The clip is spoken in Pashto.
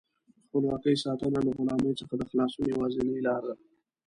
د خپلواکۍ ساتنه له غلامۍ څخه د خلاصون یوازینۍ لاره ده.